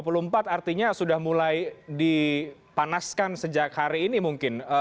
artinya sudah mulai dipanaskan sejak hari ini mungkin